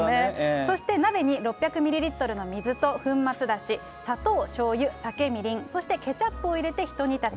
そして鍋に６００ミリリットルと粉末だし、しょうゆ、酒、みりん、そしてケチャップを入れてひと煮立ち。